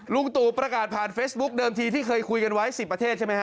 ลุงตู่ประกาศผ่านเฟซบุ๊คเดิมทีที่เคยคุยกันไว้๑๐ประเทศใช่ไหมฮ